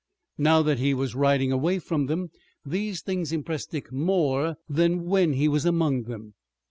Now that he was riding away from them, these things impressed Dick more than when he was among them.